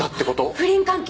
不倫関係。